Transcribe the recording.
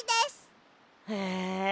へえ！